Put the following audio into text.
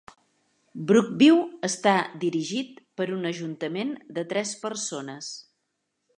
Brookview està dirigit per un ajuntament de tres persones.